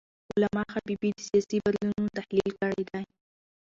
علامه حبیبي د سیاسي بدلونونو تحلیل کړی دی.